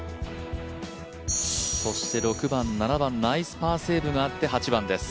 そして６番、７番ナイスパーセーブがあって８番です